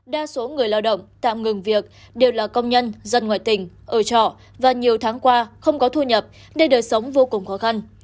đa số người lao động tạm ngừng việc đều là công nhân dân ngoại tỉnh ở trọ và nhiều tháng qua không có thu nhập nên đời sống vô cùng khó khăn